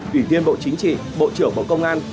ủy viên bộ chính trị bộ trưởng bộ công an